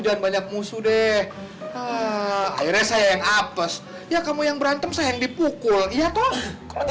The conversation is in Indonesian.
jangan banyak musuh deh akhirnya saya yang apes ya kamu yang berantem saya yang dipukul iya toh